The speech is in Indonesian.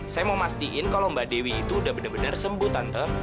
saya mau mastiin kalau mbak dewi itu udah benar benar sembuh tante